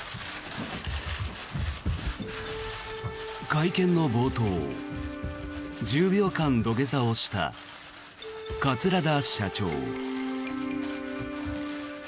会見の冒頭、１０秒間土下座をした桂田社長。